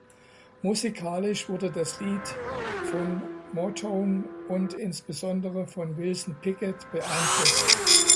Musikalisch wurde das Lied von Motown und ins besondere von Wilson Pickett beeinflusst.